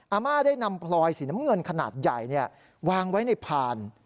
อาม่าได้นำพลอยสีน้ำเงินขนาดใหญ่วางไว้ในพาน